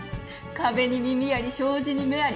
壁に耳あり障子に目あり